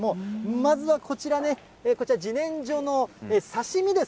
まずはこちらね、じねんじょの刺身です。